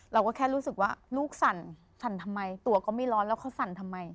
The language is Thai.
เราก็แค่รู้สึกว่าลูกสั่นสั่นทำไมตัวก็ไม่ร้อนแล้วเขาสั่นทำไม